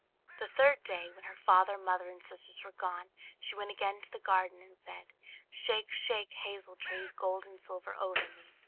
The third day, when her father and mother and sisters were gone she went again into the garden, and said "Shake, shake, hazel tree, Gold and silver over me!"